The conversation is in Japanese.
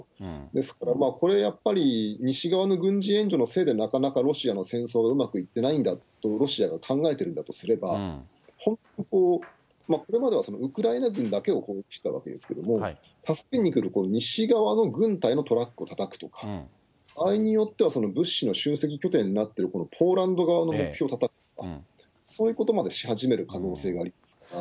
ですからこれやっぱり、西側の軍事援助のせいでなかなかロシアの戦争がうまくいってないんだと、ロシアが考えてるんだとするならば、本当、これまではウクライナ軍だけを攻撃していたわけですけれども、助けに来る西側の軍隊のトラックをたたくとか、場合によっては、物資の集積拠点になっているポーランド側の目標が、そういうことまでし始める可能性がありますから。